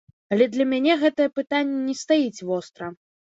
Але для мяне гэтае пытанне не стаіць востра.